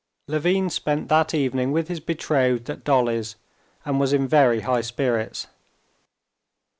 Levin spent that evening with his betrothed at Dolly's, and was in very high spirits.